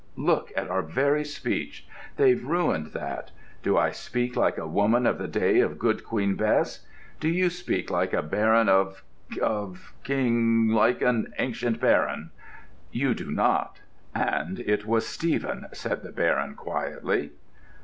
Look at our very speech: they've ruined that. Do I speak like a woman of the day of Good Queen Bess? Do you speak like a baron of—of King—like an ancient baron?" "You do not,—and it was Stephen," said the Baron quietly.